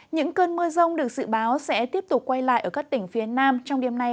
những cơn mưa rông được dự báo sẽ tiếp tục quay lại ở các tỉnh phía nam trong đêm nay